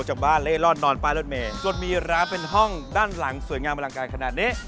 จนมีร้านเป็นห้องด้านหลังสวยงามบรรยาการขนาดนี้